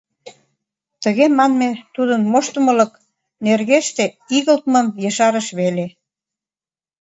Тыге манме тудын моштымылык нергеште игылтмым ешарыш веле.